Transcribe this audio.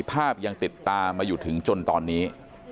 ภาพยังติดตามมาอยู่ถึงจนตอนนี้